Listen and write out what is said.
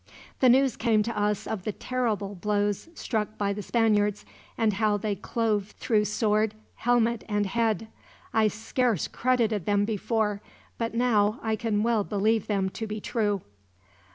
The news came to us of the terrible blows struck by the Spaniards, and how they clove through sword, helmet, and head. I scarce credited them before, but now I can well believe them to be true."